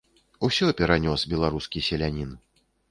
Усё перанёс беларускі селянін.